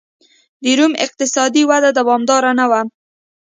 د روم اقتصادي وده دوامداره نه وه